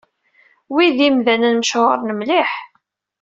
Wi d imdanen mechuṛen mliḥ.